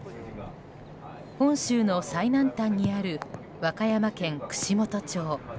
本州の最南端にある和歌山県串本町。